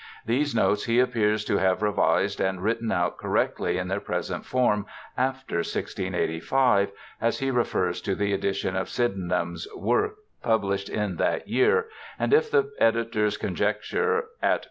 These Notes he appears to have revised and written out correctly in their present form fl^^ri685 (as he refers to the edition of Sydenham's Work published in that year), and (if the editor's conjec ture at p.